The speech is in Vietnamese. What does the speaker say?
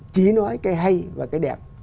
chỉ nói cái hay và cái đẹp